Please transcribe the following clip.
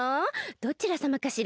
どちらさまかしら？